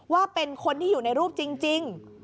ว่าเป็นคนที่อยู่ในรูปจริง